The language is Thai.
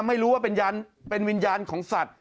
ไม่รู้ว่าเป็นยันตร์เป็นวิญญาณของสัตว์